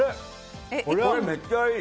これめっちゃいい！